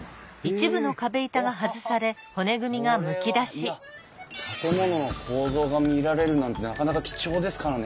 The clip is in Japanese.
これはいや建物の構造が見られるなんてなかなか貴重ですからね